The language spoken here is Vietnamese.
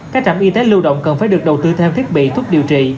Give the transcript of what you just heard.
các trạm y tế lưu động cần phải được đầu tư theo thiết bị thuốc điều trị